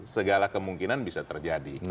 segala kemungkinan bisa terjadi